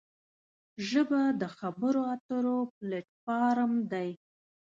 ژبه د خبرو اترو پلیټ فارم دی